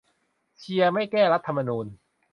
เชียร์ไม่แก้รัฐธรรมนูญ